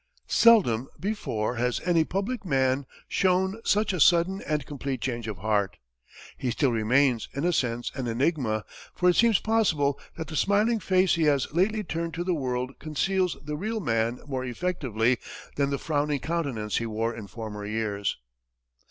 Seldom before has any public man shown such a sudden and complete change of heart. He still remains, in a sense, an enigma, for it seems possible that the smiling face he has lately turned to the world conceals the real man more effectively than the frowning countenance he wore in former years.